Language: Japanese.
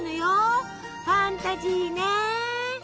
ファンタジーね！